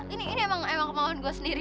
ini memang kemampuan saya sendiri